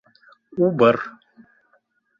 Убыр!